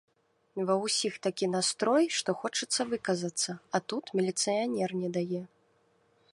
Ва ўсіх такі настрой, што хочацца выказацца, а тут міліцыянер не дае.